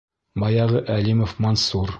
Баяғы Әлимов Мансур.